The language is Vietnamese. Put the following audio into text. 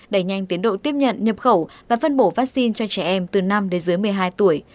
đẩy nhanh tiến độ tiếp nhận nhập khẩu và phân bổ vaccine cho trẻ em từ năm đến dưới một mươi hai tuổi